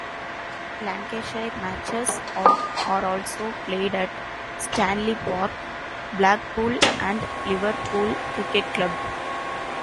Lancashire matches are also played at Stanley Park, Blackpool and Liverpool Cricket Club.